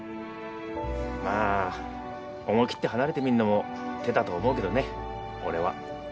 まあ思い切って離れてみんのも手だと思うけどね俺は。